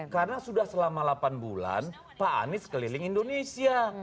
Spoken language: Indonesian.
karena sudah selama delapan bulan pak anies keliling indonesia